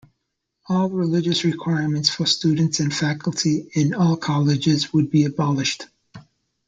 All religious requirements for students and faculty in all colleges would be abolished.